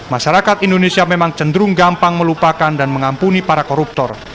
masyarakat indonesia memang cenderung gampang melupakan dan mengampuni para koruptor